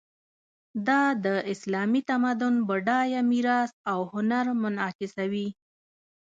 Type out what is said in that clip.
دا د اسلامي تمدن بډایه میراث او هنر منعکسوي.